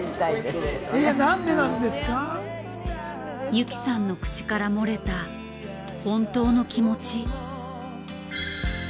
ユキさんの口からもれた本当の気持ち。